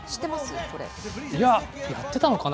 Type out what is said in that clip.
いや、やってたのかな？